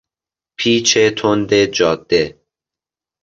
پیچ تند جاده